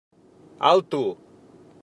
Alto!